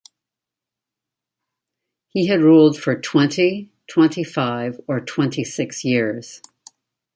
He had ruled for twenty, twenty-five or twenty-six years.